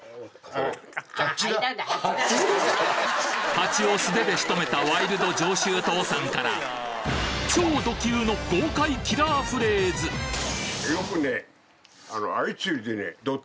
蜂を素手で仕留めたワイルド上州父さんから超弩級の豪快キラーフレーズえ！